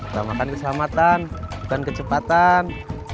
selamat makan keselamatan bukan kecepatan